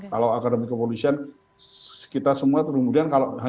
kalau akademi kepolisian kita semua kemudian